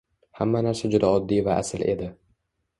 Hamma narsa juda oddiy va asl edi.